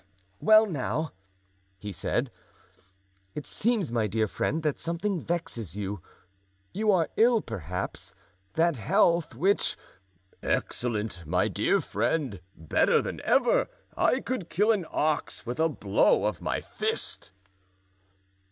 "Well now," he said, "it seems, my dear friend, that something vexes you; you are ill, perhaps? That health, which——" "Excellent, my dear friend; better than ever. I could kill an ox with a blow of my fist."